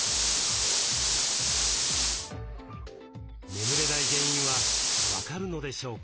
眠れない原因は分かるのでしょうか。